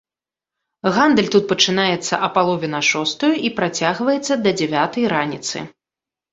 Гандаль тут пачынаецца а палове на шостую і працягваецца да дзявятай раніцы.